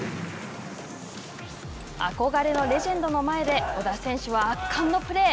憧れのレジェンドの前で小田選手は圧巻のプレー。